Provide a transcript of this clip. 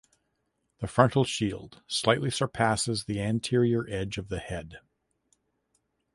The frontal shield slightly surpasses the anterior edge of the head.